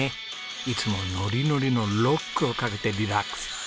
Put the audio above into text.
いつもノリノリのロックをかけてリラックス。